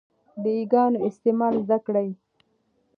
د 'ي' ګانو استعمال زده کړئ.